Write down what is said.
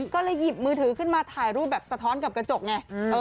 ก็เลยหยิบมือถือขึ้นมาถ่ายรูปแบบสะท้อนกับกระจกไง